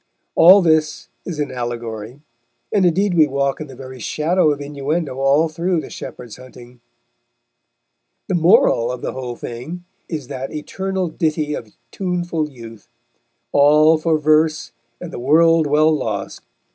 All this is an allegory; and indeed we walk in the very shadow of innuendo all through The Shepherd's Hunting. The moral of the whole thing is that eternal ditty of tuneful youth: All for Verse and the World well lost.